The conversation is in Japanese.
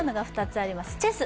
チェス？